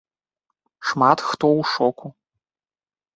Шмат хто ў шоку.